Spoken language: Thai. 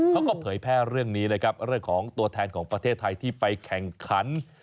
เผยแพร่เรื่องนี้นะครับเรื่องของตัวแทนของประเทศไทยที่ไปแข่งขัน